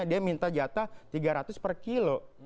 dia minta jatah tiga ratus per kilo